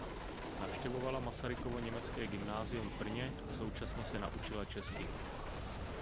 Navštěvovala Masarykovo německé gymnasium v Brně a současně se naučila česky.